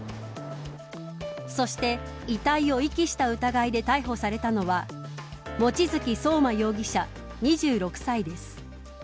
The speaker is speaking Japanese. そして、遺体を遺棄した疑いで逮捕されたのは望月壮真容疑者、２６歳です。